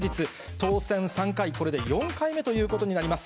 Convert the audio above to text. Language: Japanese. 当選３回、これで４回目ということになります。